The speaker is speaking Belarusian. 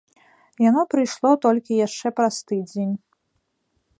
Яно прыйшло толькі яшчэ праз тыдзень.